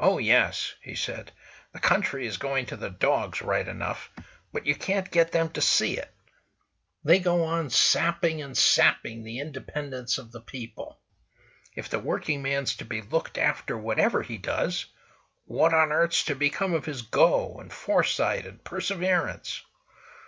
"Oh, yes!" he said: "The country is going to the dogs, right enough; but you can't get them to see it. They go on sapping and sapping the independence of the people. If the working man's to be looked after, whatever he does—what on earth's to become of his go, and foresight, and perseverance?"